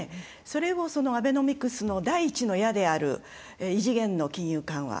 それを、アベノミクスの第１の矢である異次元の金融緩和